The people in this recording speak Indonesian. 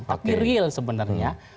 tapi real sebenarnya